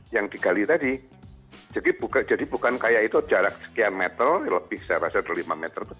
yang digali tadi jadi bukan kayak itu jarak sekian meter lebih saya rasa lima meter